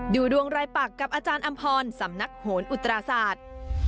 ดูดวงรายปักกับอาจารย์อำพรสำนักโหนอุตราศาสตร์